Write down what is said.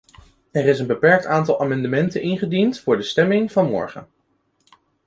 Er is een beperkt aantal amendementen ingediend voor de stemming van morgen.